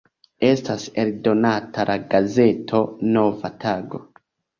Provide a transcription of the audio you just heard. Estas eldonata la gazeto "Nova tago".